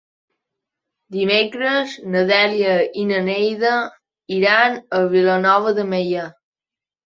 Dimecres na Dèlia i na Neida iran a Vilanova de Meià.